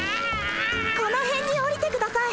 このへんにおりてください。